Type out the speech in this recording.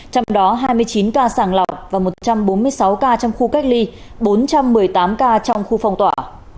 trong đó hai mươi chín ca sàng lọc và một trăm bốn mươi sáu ca trong khu cách ly bốn trăm một mươi tám ca trong khu phong tỏa